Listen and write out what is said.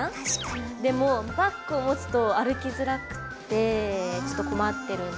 でもバッグを持つと歩きづらくてちょっと困ってるんだ。